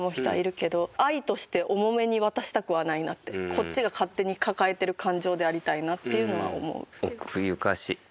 こっちが勝手に抱えてる感情でありたいなっていうのは思う。